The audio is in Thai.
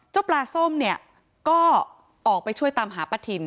เจ้าปลาส้มเนี้ยก็ออกไปช่วยตามหาประถิ่น